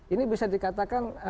ini bisa dikatakan